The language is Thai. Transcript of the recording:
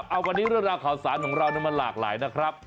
เอ่อวันนี้รูปร่างข่าวศาลของเราน้ำมันหลากหลายนะครับ